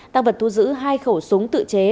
tăng vật thu giữ hai khẩu súng tự chế